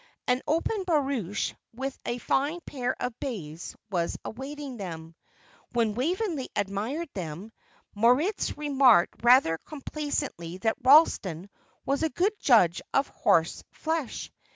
An open barouche with a fine pair of bays was awaiting them. When Waveney admired them, Moritz remarked rather complacently that Ralston was a good judge of horse flesh.